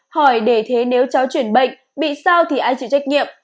hỏi để thế nếu cháu chuyển bệnh bị sao thì ai chịu trách nhiệm